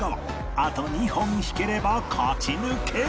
あと２本引ければ勝ち抜け